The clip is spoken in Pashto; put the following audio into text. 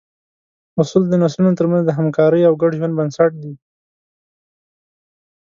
اصول د نسلونو تر منځ د همکارۍ او ګډ ژوند بنسټ دي.